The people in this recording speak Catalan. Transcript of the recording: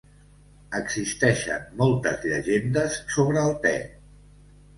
Existeixen moltes llegendes sobre el te.